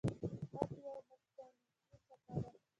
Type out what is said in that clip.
غږ یوه مکانیکي څپه ده.